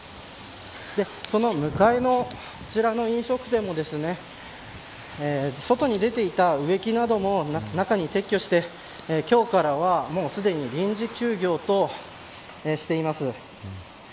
その向かいの、こちらの飲食店も外に出ていた植木なども中に撤去して、今日からはすでに臨時休業としています。